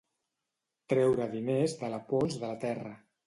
Treure diners de la pols de la terra.